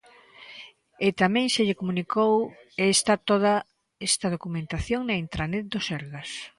E tamén se lle comunicou e está toda esta documentación na intranet do Sergas.